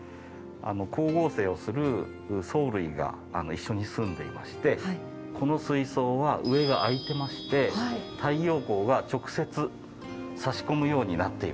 光合成をする藻類が一緒に住んでいましてこの水槽は上が開いてまして太陽光が直接さし込むようになっています。